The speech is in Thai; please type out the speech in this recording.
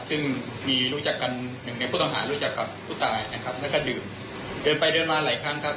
ซึ่งมีรู้จักกันหนึ่งในผู้ต้องหารู้จักกับผู้ตายนะครับแล้วก็ดื่มเดินไปเดินมาหลายครั้งครับ